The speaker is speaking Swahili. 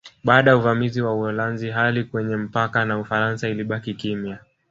Baada ya uvamizi wa Uholanzi hali kwenye mpaka na Ufaransa ilibaki kimya